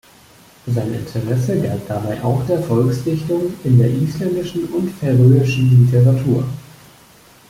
Sein Interesse galt dabei auch der Volksdichtung in der isländischen und färöischen Literatur.